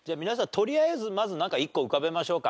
とりあえずまずなんか１個浮かべましょうか。